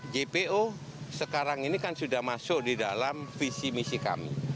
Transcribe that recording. jpo sekarang ini kan sudah masuk di dalam visi misi kami